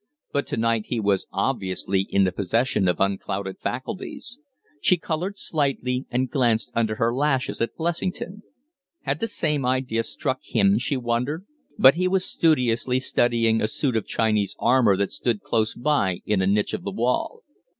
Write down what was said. But to night he was obviously in the possession of unclouded faculties. She colored slightly and glanced under her lashes at Blessington. Had the same idea struck him, she wondered? But he was studiously studying a suit of Chinese armor that stood close by in a niche of the wall.